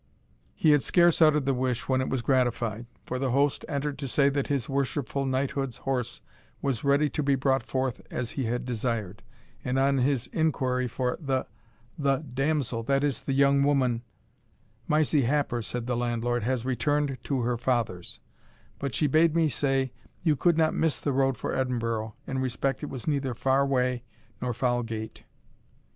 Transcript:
He had scarce uttered the wish when it was gratified; for the host entered to say that his worshipful knighthood's horse was ready to be brought forth as he had desired; and on his inquiry for "the the damsel that is the young woman " "Mysie Happer," said the landlord, "has returned to her father's; but she bade me say, you could not miss the road for Edinburgh, in respect it was neither far way nor foul gate."